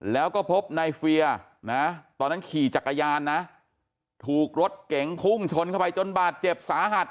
แล้วก็พบในเฟียนะตอนนั้นขี่จักรยานนะถูกรถเก๋งพุ่งชนเข้าไปจนบาดเจ็บสาหัส